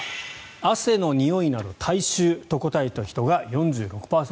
汗のにおいなど体臭と答えた人が４６％。